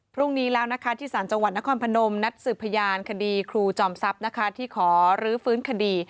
พรุ่งนี้แล้วนะคะที่สารจังหวัดนครพนมนัดสืบพยานคดีครูจอมทรัพย์นะคะที่ขอรื้อฟื้นคดี